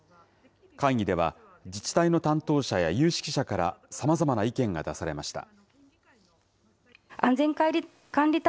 会議では、自治体の担当者や有識者から、さまざまな意見が出されました。